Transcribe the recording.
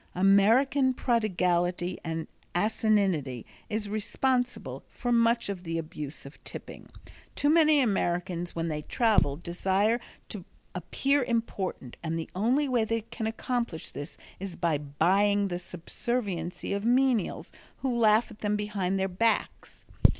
American prodigality and asininity is responsible for much of the abuse of tipping. Too many Americans when they travel desire to appear important and the only way they can accomplish this is by buying the subserviency of menials who laugh at them behind their backs.